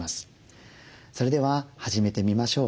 それでは始めてみましょう。